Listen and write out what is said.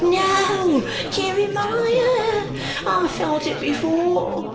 'No, Jeremiah; I have felt it before.